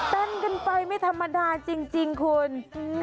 เต้นกันไปไม่ธรรมดาจริงคุณ